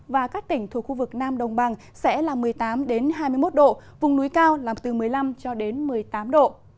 và các tỉnh thuộc khu vực nam đồng bằng sẽ là một mươi tám hai mươi một độ vùng núi cao là từ một mươi năm cho đến một mươi tám độ